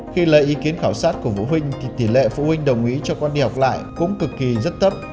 khi lấy ý kiến khảo sát của phụ huynh thì tỷ lệ phụ huynh đồng ý cho con đi học lại cũng cực kỳ rất thấp